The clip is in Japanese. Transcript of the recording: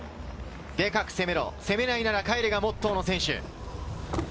でかく攻めろ、攻めないないなら帰れがモットーの選手。